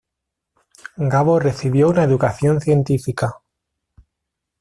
Gabo recibió una educación científica.